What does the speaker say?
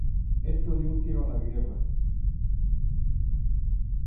Esto dio un giró a la guerra.